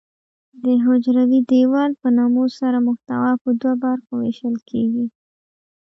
د حجروي دیوال په نمو سره محتوا په دوه برخو ویشل کیږي.